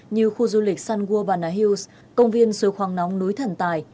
như khu du lịch san gua banna hills công viên sôi khoang nóng núi thần tài